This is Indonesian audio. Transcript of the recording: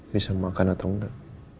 bisa makan atau tidak